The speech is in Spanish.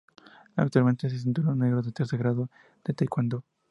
Actualmente es cinturón negro de tercer grado en taekwondo.